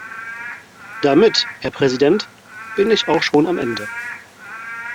Damit, Herr Präsident, bin ich auch schon am Ende.